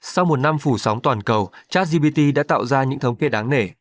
sau một năm phủ sóng toàn cầu chartsgpt đã tạo ra những thông tin đáng nể